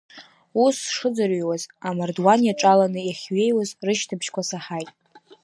Ус сшыӡырҩуаз, амардуан иаҿаланы иахьҩеиуаз рышьҭыбжьқәа саҳаит.